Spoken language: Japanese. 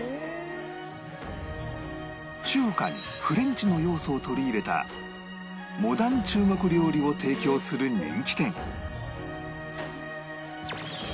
中華にフレンチの要素を取り入れたモダン中国料理を提供する人気店